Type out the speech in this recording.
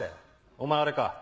お前あれか？